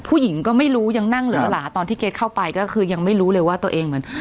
ผู้หญิงก็ไม่รู้ยังนั่งเหลือหลาตอนที่เกรทเข้าไปก็คือยังไม่รู้เลยว่าตัวเองเหมือน